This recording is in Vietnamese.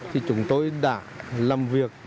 thì chúng tôi đã làm việc